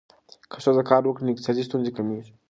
که ښځه کار وکړي، نو اقتصادي ستونزې کمېږي.